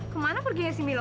kemana perginya si milo